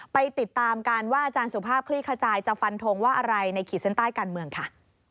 ไปติดตามกันว่าอาจารย์สุภาพคลี่ขจายจะฟันทงว่าอะไรในขีดเส้นใต้การเมืองค่ะ